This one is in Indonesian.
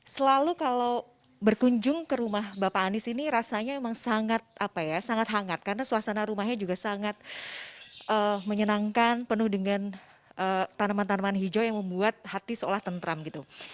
selalu kalau berkunjung ke rumah bapak anies ini rasanya memang sangat hangat karena suasana rumahnya juga sangat menyenangkan penuh dengan tanaman tanaman hijau yang membuat hati seolah tentram gitu